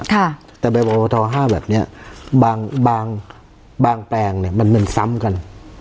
ค่ะแต่ใบบับประทอห้าแบบเนี้ยบางบางบางแปลงเนี้ยมันเหมือนซ้ำกัน